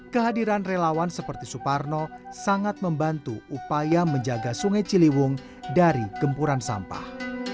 kehadiran relawan seperti suparno sangat membantu upaya menjaga sungai ciliwung dari gempuran sampah